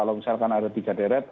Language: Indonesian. kalau misalkan ada tiga deret